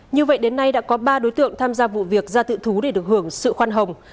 như vậy đến nay đã có ba đối tượng tham gia vụ việc ra tự thú để được hưởng sự khoan hồng